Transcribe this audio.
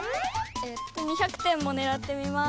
２００点もねらってみます。